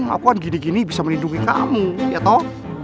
aku kan gini gini bisa melindungi kamu ya toh